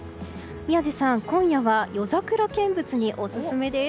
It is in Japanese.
宮司さん、今夜は夜桜見物にオススメです。